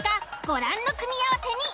ご覧の組み合わせに。